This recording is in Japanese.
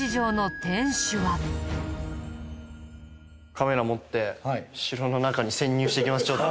カメラ持って城の中に潜入していきましょう。